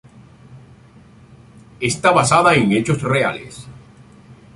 Está basada en hechos reales.